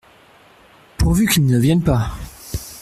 Pourvu qu’il ne vienne pas !